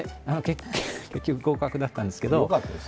結局、合格だったんですけど。